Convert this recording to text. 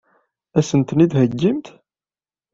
Ad sent-ten-id-theggimt?